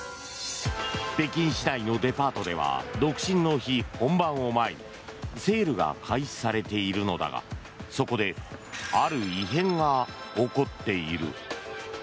北京市内のデパートでは独身の日本番を前にセールが開始されているのだがそこである異変が起こっている。